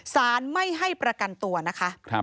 สารไม่ให้ประกันตัวนะคะ